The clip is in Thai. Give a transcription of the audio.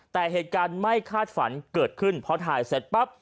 แต่เหตุการณ์ไม่คาดฝันเกิดขึ้นพอถ่ายเสร็จปั๊บ